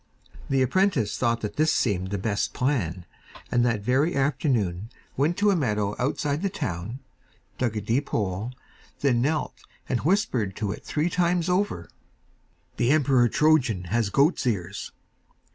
The apprentice thought that this seemed the best plan, and that very afternoon went to a meadow outside the town, dug a deep hole, then knelt and whispered to it three times over, 'The Emperor Trojan has goat's ears.